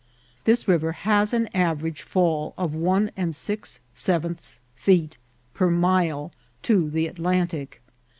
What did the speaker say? This river has an average fall of one and six sevenths feet per mile to the Atlantic.